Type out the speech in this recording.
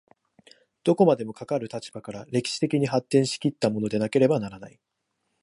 どこまでもかかる立場から歴史的に発展し来ったものでなければならない。